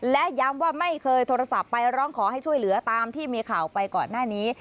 และย้ำว่าไม่เคยโทรศัพท์ไปร้องขอให้ช่วยเหลือตามที่มีข่าวไปก่อนหน้านี้